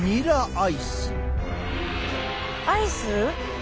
アイス？